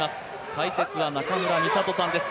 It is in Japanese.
解説は中村美里さんです。